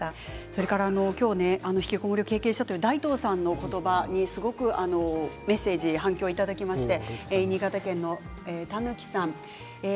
今日ひきこもりを経験したという大東さんの言葉にすごくメッセージ、反響いただきました。